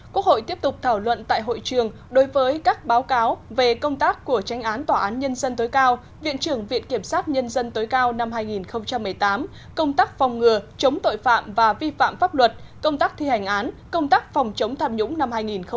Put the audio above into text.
quốc hội tiếp tục thảo luận tại hội trường đối với các báo cáo về công tác của tranh án tòa án nhân dân tối cao viện trưởng viện kiểm sát nhân dân tối cao năm hai nghìn một mươi tám công tác phòng ngừa chống tội phạm và vi phạm pháp luật công tác thi hành án công tác phòng chống tham nhũng năm hai nghìn một mươi chín